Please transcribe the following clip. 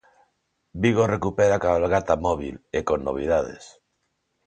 Vigo recupera a cabalgata móbil, e con novidades.